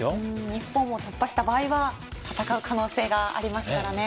日本も突破した場合は戦う可能性がありますからね。